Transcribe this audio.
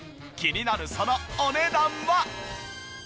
気になるそのお値段は。